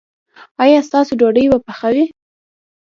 ایا ستاسو ډوډۍ به پخه وي؟